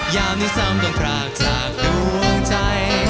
ยามนิสัมต้องพลากจากดวงใจ